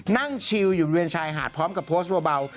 นั่งชิลอยู่บริเวณชายหาดพร้อมกับโพสต์เบา